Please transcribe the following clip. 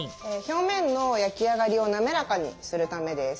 表面の焼き上がりを滑らかにするためです。